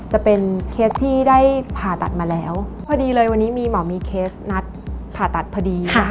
จะเป็นเคสที่ได้ผ่าตัดมาแล้วพอดีเลยวันนี้มีหมอมีเคสนัดผ่าตัดพอดีนะคะ